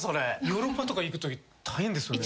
ヨーロッパとか行くとき大変ですよね。